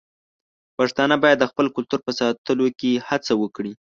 پښتانه بايد د خپل کلتور په ساتلو کې هڅه وکړي.